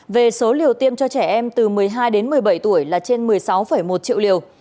về số liều tiêm cho trẻ em từ một mươi hai đến một mươi bảy tuổi là trên một mươi sáu một triệu liều